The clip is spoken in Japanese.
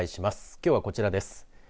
きょうはこちらです。